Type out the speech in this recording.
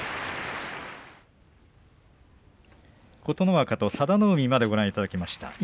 琴ノ若と佐田の海までご覧いただきました。